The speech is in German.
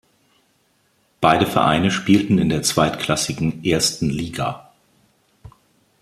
Beide Vereine spielten in der zweitklassigen Ersten Liga.